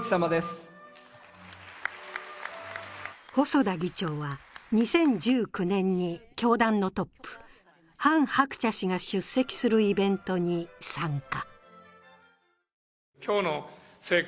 細田議長は、２０１９年に教団のトップ、ハン・ハクチャ氏が出席するイベントに参加。